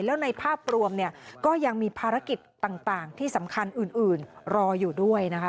แล้วในภาพรวมเนี่ยก็ยังมีภารกิจต่างที่สำคัญอื่นรออยู่ด้วยนะคะ